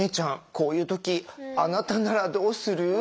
こういう時あなたならどうする？